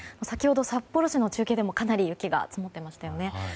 先ほど札幌市の中継でもかなり雪が積もっていましたよね。